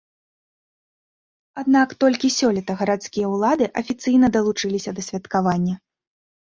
Аднак толькі сёлета гарадскія ўлады афіцыйна далучыліся да святкавання.